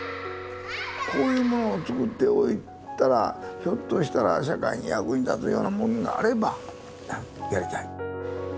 こういうものをつくっておいたらひょっとしたら社会に役に立つようなものがあればやりたい。